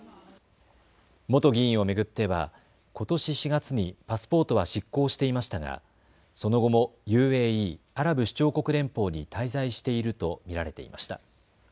元議員を巡ってはことし４月にパスポートは失効していましたがその後もＵＡＥ・アラブ首長国連邦に滞在していると見られていました。